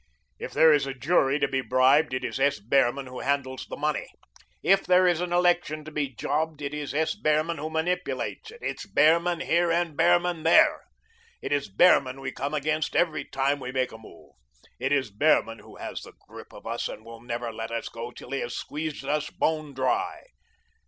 If there is a jury to be bribed, it is S. Behrman who handles the money. If there is an election to be jobbed, it is S. Behrman who manipulates it. It's Behrman here and Behrman there. It is Behrman we come against every time we make a move. It is Behrman who has the grip of us and will never let go till he has squeezed us bone dry.